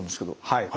はい。